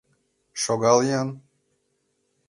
— Шогал-ян!